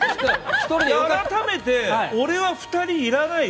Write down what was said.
改めて、俺は２人いらないよ。